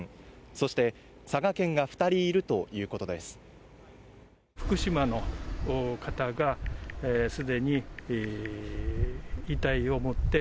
そして佐賀県が二人いるということです